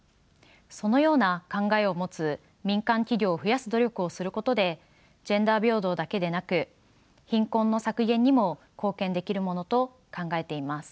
そのような考えを持つ民間企業を増やす努力をすることでジェンダー平等だけでなく貧困の削減にも貢献できるものと考えています。